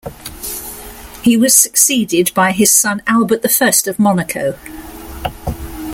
He was succeeded by his son Albert the First of Monaco.